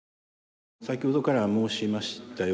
先ほどから申しましたようにですね